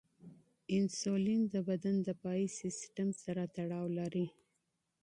انسولین د بدن دفاعي سیستم سره تړاو لري.